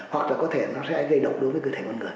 hoặc là có thể nó sẽ gây độc đối với cơ thể con người